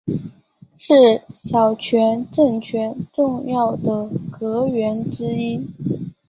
是小泉政权重要的阁员之一。